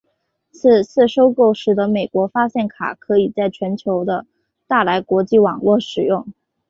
此次收购使得美国发现卡可以在全球的大来国际网络使用。